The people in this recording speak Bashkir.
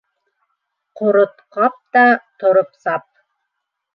Ҡорот кап та - Тороп сап!